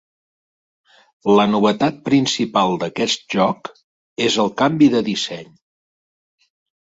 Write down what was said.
La novetat principal d'aquest joc és el canvi de disseny.